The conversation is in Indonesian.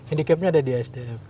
indicap nya ada di sdm